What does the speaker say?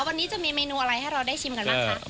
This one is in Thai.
วันนี้จะมีเมนูอะไรให้เราได้ชิมกันบ้างคะ